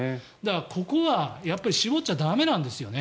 ここはやっぱり絞っちゃ駄目なんですよね。